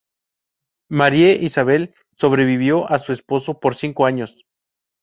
Marie Isabel sobrevivió a su esposo por cinco años.